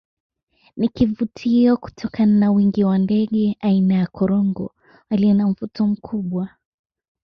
Ni kivutio kutokana na wingi wa ndege aina ya korongo walio na mvuto mkubwa